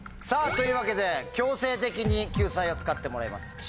というわけで強制的に救済を使ってもらいます。